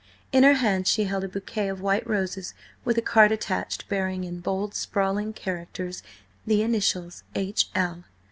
In her hand she held a bouquet of white roses with a card attached bearing, in bold, sprawling characters, the initials "H. L."